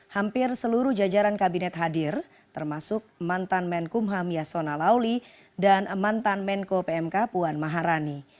hampir seluruh jajaran kabinet hadir termasuk mantan menkumham yasona lauli dan mantan menko pmk puan maharani